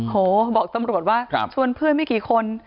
โหบอกตำรวจว่าชวนเพื่อนไม่กี่คน